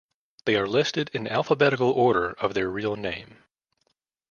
They are listed in alphabetical order of their real name.